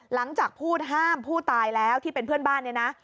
หลังจากพูดห้ามผู้ตายแล้วที่เป็นเพื่อนบ้านเนี่ยนะ